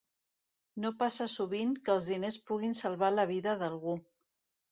No passa sovint que els diners puguin salvar la vida d'algú.